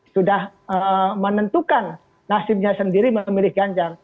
sudah menentukan nasibnya sendiri memilih ganjar